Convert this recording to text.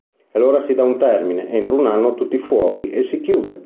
E allora si dà un termine: entro un anno tutti fuori e si chiude!